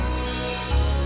saya harus antar